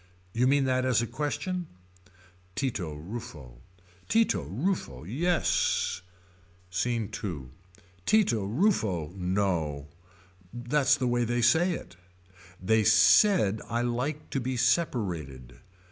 You mean that as a question. Tito Ruffo. Tito Ruffo yes. SCENE II. Tito Ruffo. No. That's the way they say it. They said I like to be separated.